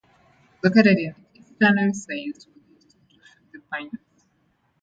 Located in eastern Visayas, within central Philippines.